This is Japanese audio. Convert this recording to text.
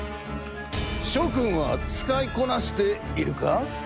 しょ君は使いこなしているか？